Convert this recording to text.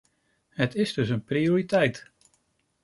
Het is dus een prioriteit.